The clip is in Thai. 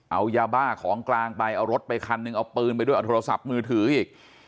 เอายาบ้าของกลางไปเอารถไปคันนึงเอาปืนไปด้วยเอาโทรศัพท์มือถืออีก